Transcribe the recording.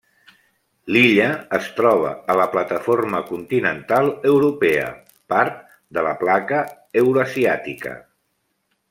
L'illa es troba a la plataforma continental europea, part de la placa eurasiàtica.